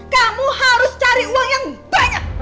kamu harus cari uang yang banyak